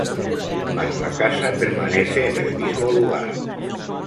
Mas la casa permanece en el mismo lugar.